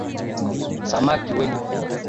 Samaki wengi.